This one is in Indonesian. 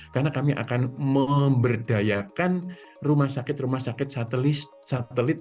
karena kami akan memberdayakan rumah sakit rumah sakit satelit